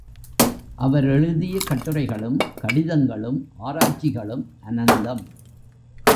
அவர் எழுதிய கட்டுரைகளும், கடிதங்களும், ஆராய்ச்சிகளும் அனந்தம்.